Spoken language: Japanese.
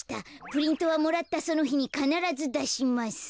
プリントはもらったそのひにかならずだします。